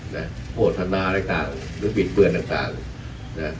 นะโปรดภรรณาอะไรต่างนิวมิตเตือนต่างนะ